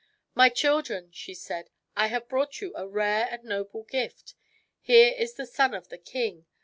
" My children," she said, " I have brought you a rare and noble gift. Here is the son of the king.